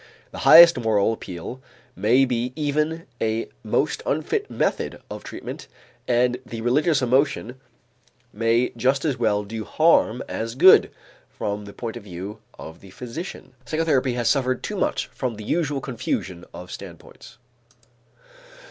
The highest moral appeal may be even a most unfit method of treatment and the religious emotion may just as well do harm as good from the point of view of the physician. Psychotherapy has suffered too much from the usual confusion of standpoints.